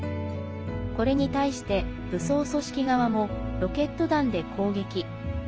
これに対して、武装組織側もロケット弾で攻撃。